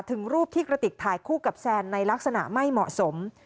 ถึงรูปที่กระติกถ่ายคู่กับแซนในลักษณะไม่เหมาะสม